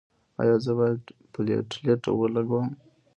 ایا زه باید پلیټلیټ ولګوم؟